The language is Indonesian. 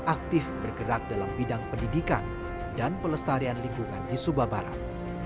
aktif bergerak dalam bidang pendidikan dan pelestarian lingkungan di sumba barat